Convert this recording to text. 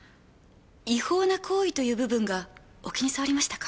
“違法な行為”という部分がお気に障りましたか？